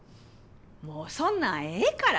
もうそんなんええから！